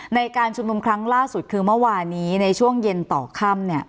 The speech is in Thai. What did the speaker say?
ในการชุมนุมครั้งล่าสุดคือเมื่อวานนี้ในช่วงเย็นต่อค่ำ